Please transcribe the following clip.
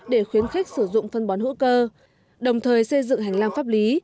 để khuyến khích sử dụng phân bón hữu cơ đồng thời xây dựng hành lang pháp lý